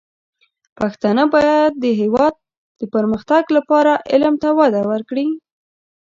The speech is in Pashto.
پښتانه بايد د هېواد د پرمختګ لپاره علم ته وده ورکړي.